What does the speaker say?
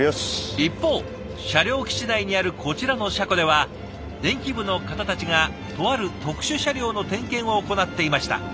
一方車両基地内にあるこちらの車庫では電気部の方たちがとある特殊車両の点検を行っていました。